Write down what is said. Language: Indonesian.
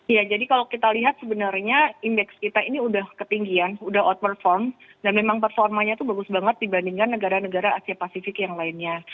ya jadi kalau kita lihat sebenarnya indeks kita ini sudah ketinggian sudah outperform dan memang performanya itu bagus banget dibandingkan negara negara asia pasifik yang lainnya